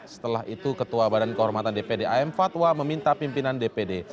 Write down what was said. setelah itu ketua badan kehormatan dpd am fatwa meminta pimpinan dpd